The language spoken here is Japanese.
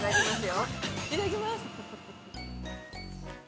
◆いただきます。